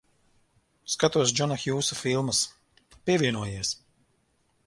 Skatos Džona Hjūsa filmas. Pievienojies.